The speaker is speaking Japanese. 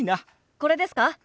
これですか？